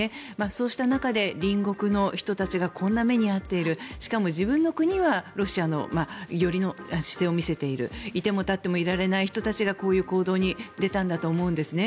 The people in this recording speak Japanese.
そうした中で隣国の人たちがこんな目に遭っているしかも自分の国はロシア寄りの姿勢を見せているいても立ってもいられない人たちがこういう行動に出たんだと思うんですね。